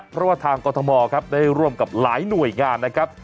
เพราะว่าทางกรทมครับได้ร่วมกับหลายหน่วยงานนะครับ